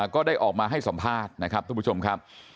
ก็ได้ออกมาให้สัมภาษณ์นะครับทุกผู้ชมครับ